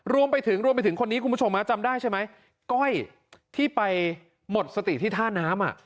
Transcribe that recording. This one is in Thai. รวมไปถึงรวมไปถึงคนนี้คุณผู้ชมจำได้ใช่ไหมก้อยที่ไปหมดสติที่ท่าน้ำ